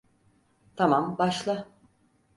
Tamam, başla.